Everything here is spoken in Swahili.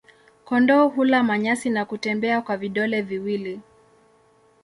Kondoo hula manyasi na kutembea kwa vidole viwili.